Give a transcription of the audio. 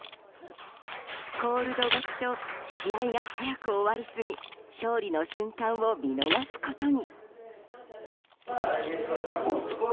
コールド勝ちと試合が早く終わりすぎ勝利の瞬間を見逃すことに。